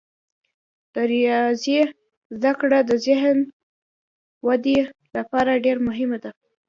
د ریاضي زده کړه د ذهني ودې لپاره ډیره مهمه ده.